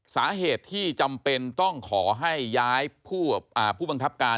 สาเหตุที่จำเป็นต้องขอให้ย้ายผู้บังคับการ